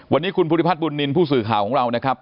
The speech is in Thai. วันนี้คุณภูริพัฒนบุญนินทร์ผู้สื่อข่าวของเรานะครับ